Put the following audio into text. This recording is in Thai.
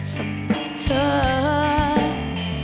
สำหรับเธอ